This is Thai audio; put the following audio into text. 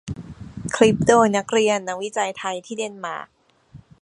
คลิปโดยนักเรียนนักวิจัยไทยที่เดนมาร์ก